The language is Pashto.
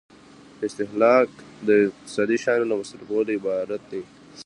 استهلاک د اقتصادي شیانو له مصرفولو عبارت دی.